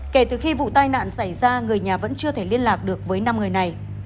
kể từ khi vụ tai nạn xảy ra người nhà vẫn chưa thể liên lạc được với năm người này